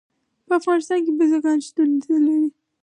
په افغانستان کې بزګان شتون لري.